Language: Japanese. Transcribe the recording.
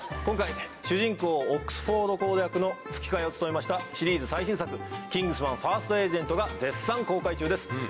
今回主人公オックスフォード公役の吹き替えを務めましたシリーズ最新作『キングスマン：ファースト・エージェント』が絶賛公開中です。